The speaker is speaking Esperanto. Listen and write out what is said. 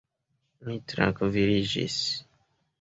Mi trankviliĝis.